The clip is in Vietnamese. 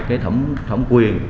cái thẩm quyền